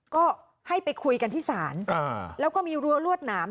ก็ให้ไปคุยกันที่ศาลแล้วก็มีรั้วรวดหนาม